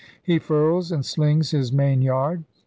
He furls and slings his main yard.